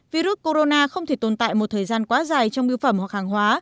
virus corona không thể tồn tại một thời gian quá dài trong biêu phẩm hoặc hàng hóa